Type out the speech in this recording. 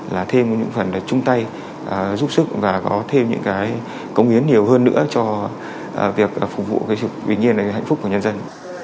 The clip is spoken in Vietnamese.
là thêm những phần để chung tay giúp sức và có thêm những cái cống hiến nhiều hơn nữa cho việc phục vụ cái bình yên hạnh phúc của nhân dân